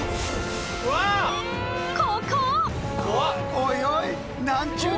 ここ！